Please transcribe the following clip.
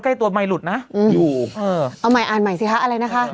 ใกล้ตัวไมค์หลุดนะอืมอยู่เออเอาใหม่อ่านใหม่สิคะอะไรนะคะ